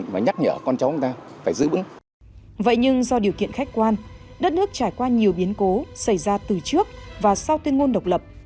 vậy nhưng do điều kiện khách quan đất nước trải qua nhiều biến cố xảy ra từ trước và sau tuyên ngôn độc lập